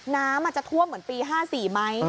น้ำอาจจะท่วมเหมือนปี๕๔ไหม